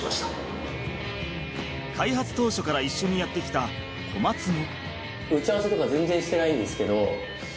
開発当初から一緒にやってきた小松も。